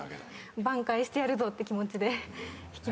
挽回してやるぞって気持ちで弾きました。